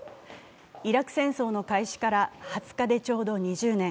イラク戦争の開始から２０日でちょうど２０年。